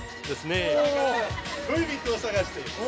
恋人を探している。